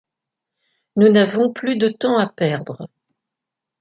Nous n’avons plus de temps à perdre.